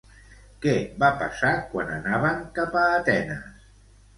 Què va passar quan anaven cap a Atenes?